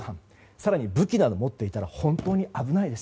更に、武器など持っていたら本当に危ないです。